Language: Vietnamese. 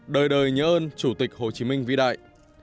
đời đời nhớ ơn chủ tịch hồ chí minh vĩ đại